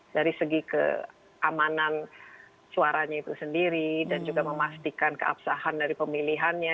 dari segi keamanan suaranya itu sendiri dan juga memastikan keabsahan dari pemilihannya